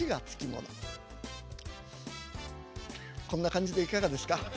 こんな感じでいかがですか。